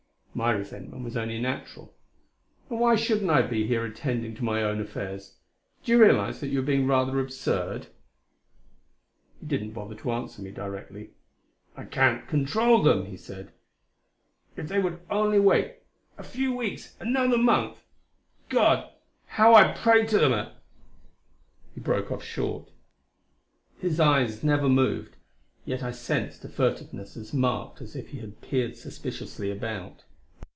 My resentment was only natural. "And why shouldn't I be here attending to my own affairs? Do you realize that you are being rather absurd?" He didn't bother to answer me directly. "I can't control them," he said. "If they would only wait a few weeks another month! God, how I prayed to them at " He broke off short. His eyes never moved, yet I sensed a furtiveness as marked as if he had peered suspiciously about.